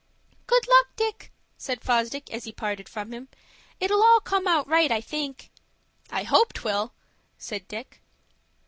"Good luck, Dick," said Fosdick, as he parted from him. "It'll all come out right, I think." "I hope 'twill," said Dick.